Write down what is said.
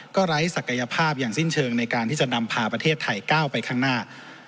ก็ไร้ศักยภาพอย่างสิ้นเชิงในการที่จะนำพาประเทศไทยก้าวไปข้างหน้า